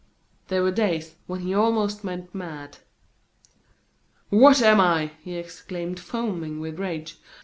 There were days when he almost went mad. "What am I?" he exclaimed, foaming with rage.